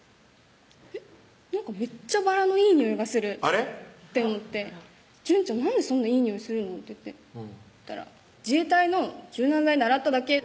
えっなんかめっちゃバラのいいにおいがするあれ？って思って「淳ちゃんなんでそんないいにおいするの？」って言ってそしたら「自衛隊の柔軟剤で洗っただけ」